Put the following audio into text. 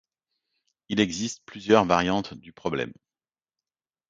Il existe plusieurs variantes du problème.